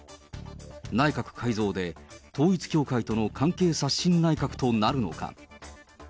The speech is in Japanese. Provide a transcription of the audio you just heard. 内閣改造で統一教会との関係刷新内閣となるのか。